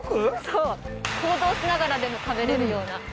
行動しながらでも食べられるような。